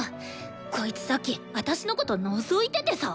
こいつさっき私のことのぞいててさ。